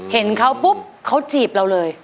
เห็นเขาปุ๊บเขาจีบเราเลย